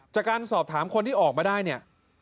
จากการสอบถามคนที่ออกมาได้เนี่ย